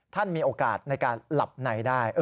ท่านมีโอกาสในการหลับไหนได้